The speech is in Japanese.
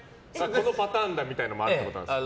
このパターンだみたいなのもあるってことですか？